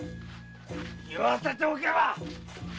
言わせておけば！